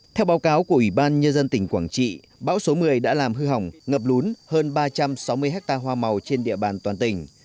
theo báo cáo của ủy ban nhân dân tỉnh quảng trị bão số một mươi đã làm hư hỏng ngập lún hơn ba trăm sáu mươi ha hoa màu trên địa bàn toàn tỉnh